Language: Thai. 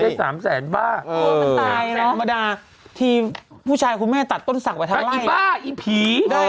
อือแสนภรรดาที่ผู้ชายคุณแม่ตัดต้นสั่งไปทั้งไหล่อีบ้าอีผี